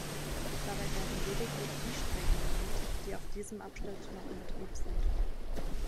Dabei werden lediglich die Strecken genannt, die auf diesem Abschnitt noch in Betrieb sind.